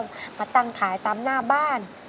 มาตั้งขายตามหน้าบ้าน